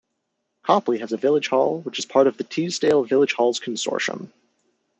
Copley has a Village Hall which is part of the Teesdale Village Halls' Consortium.